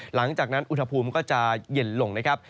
หลังจากนั้นอุณหภูมิก็จะเย็นลงนะครับ